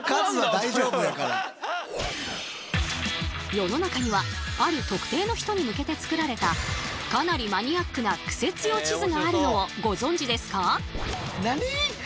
世の中にはある特定の人に向けて作られたかなりマニアックなクセ強地図があるのをご存じですか？